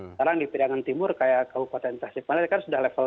sekarang di periangan timur kayak kompeten kota sipanel kan sudah level dua